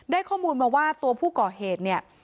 ข้อมูลมาว่าตัวผู้ก่อเหตุเนี่ย